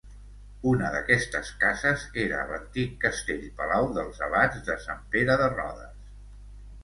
Una d'aquestes cases era l'antic castell-palau dels abats de Sant Pere de Rodes.